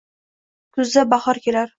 Kuzda bahor kelar